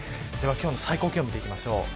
今日の最高気温を見ていきましょう。